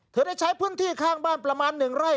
เธอได้ใช้พื้นที่ข้างบ้านประมาณ๑ไร่